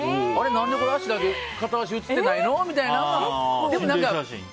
何で、これ片足写ってないの？みたいな。